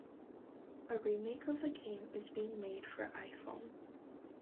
A remake of the game is being made for iPhone.